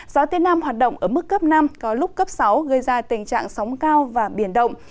gió tây nam hoạt động ở mức cấp năm có lúc cấp sáu gây ra tình trạng sóng cao và biển động